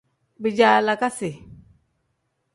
Bijaalakasi.